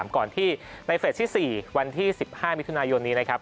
ก่อนที่ในเฟสที่๔วันที่๑๕มิถุนายนนี้นะครับ